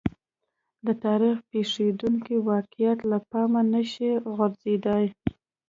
د تاریخ پېښېدونکي واقعات له پامه نه شي غورځېدای.